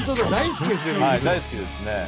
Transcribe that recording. はい大好きですね。